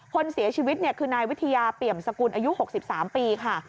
คนเสียชีวิตคือนายวิทยาเปี่ยมสกุลอายุ๖๓ปีค่ะ